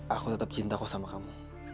aku tetap cintaku sama kamu